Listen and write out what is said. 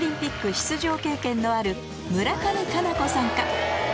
出場経験のある村上佳菜子さんか？